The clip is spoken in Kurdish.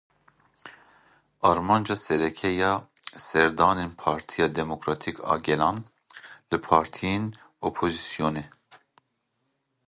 Armanca sereke ya serdanên Partiya Demokratîk a Gelan li partiyên opozisyonê.